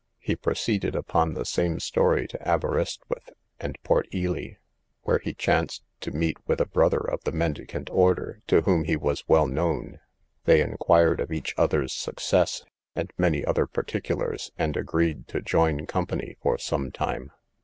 He proceeded upon the same story to Aberystwyth and Port Ely, where he chanced to meet with a brother of the mendicant order, to whom he was well known; they inquired of each other's success, and many other particulars, and agreed to join company for some time.